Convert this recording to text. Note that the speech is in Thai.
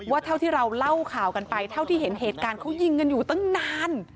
เท่าที่เราเล่าข่าวกันไปเท่าที่เห็นเหตุการณ์เขายิงกันอยู่ตั้งนาน